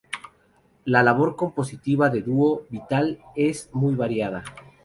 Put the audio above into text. La labor compositiva de Dúo Vital es muy variada.